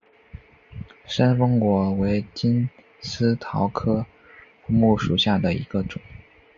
山凤果为金丝桃科福木属下的一个种。